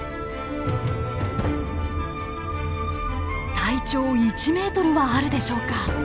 体長１ｍはあるでしょうか。